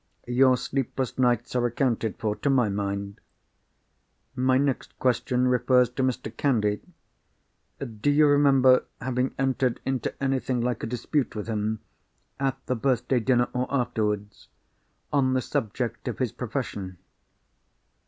Your sleepless nights are accounted for, to my mind. My next question refers to Mr. Candy. Do you remember having entered into anything like a dispute with him—at the birthday dinner, or afterwards—on the subject of his profession?"